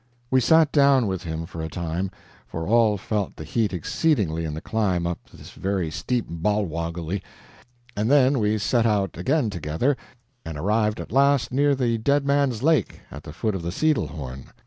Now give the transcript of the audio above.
We sat down with him for a time, for all felt the heat exceedingly in the climb up this very steep BOLWOGGOLY, and then we set out again together, and arrived at last near the Dead Man's Lake, at the foot of the Sidelhorn.